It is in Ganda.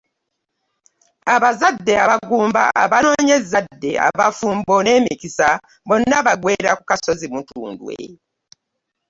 Abalwadde, abagumba, abanoonya ezzadde, abafumbo n’emikisa bonna baggweera ku kasozi Mutundwe.